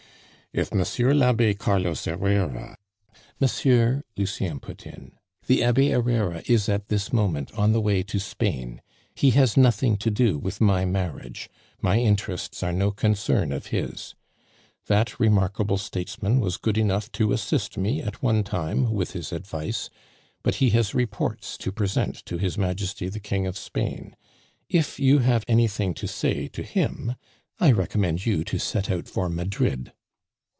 "If Monsieur l'Abbe Carlos Herrera " "Monsieur," Lucien put in, "the Abbe Herrera is at this moment on the way to Spain. He has nothing to do with my marriage, my interests are no concern of his. That remarkable statesman was good enough to assist me at one time with his advice, but he has reports to present to his Majesty the King of Spain; if you have anything to say to him, I recommend you to set out for Madrid."